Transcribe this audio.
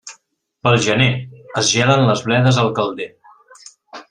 Pel gener es gelen les bledes al calder.